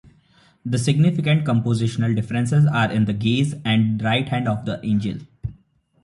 The significant compositional differences are in the gaze and right hand of the angel.